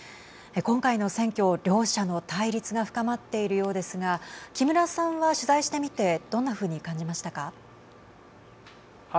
今回の選挙、両者の対立が深まっているようですが木村さんは取材してみてどんなふうに感じましたか。